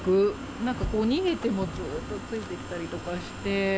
なんか、逃げてもずっとついてきたりとかして。